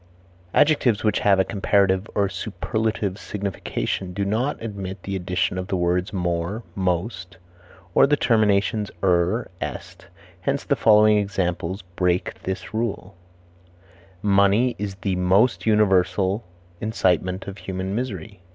Adjectives which have a comparative or superlative signification do not admit the addition of the words more, most, or the terminations, er, est, hence the following examples break this rule: "Money is the most universal incitement of human misery."